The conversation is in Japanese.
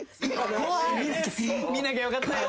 見なきゃよかったよ。